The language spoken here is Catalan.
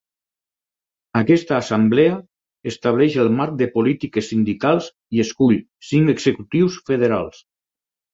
Aquesta assemblea estableix el marc de polítiques sindicals i escull cinc executius federals.